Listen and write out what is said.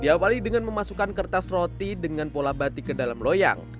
diawali dengan memasukkan kertas roti dengan pola batik ke dalam loyang